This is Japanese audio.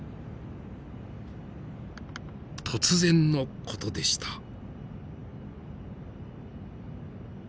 突然の事でした。